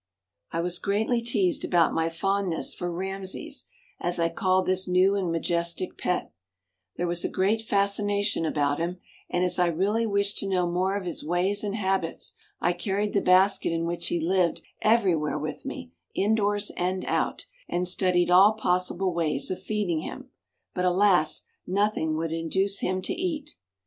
I was greatly teased about my fondness for "Rameses," as I called this new and majestic pet; there was a great fascination about him, and as I really wished to know more of his ways and habits, I carried the basket in which he lived everywhere with me indoors and out, and studied all possible ways of feeding him; but alas! nothing would induce him to eat.